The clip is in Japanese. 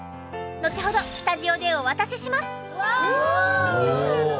のちほどスタジオでお渡しします！